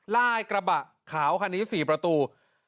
ลายกระบะขาวคันนี้๔ประตู